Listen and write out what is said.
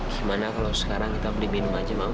gimana kalau sekarang kita beli minum aja mau